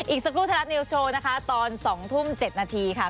อีกสักครู่ไทยรัฐนิวส์โชว์นะคะตอน๒ทุ่ม๗นาทีค่ะ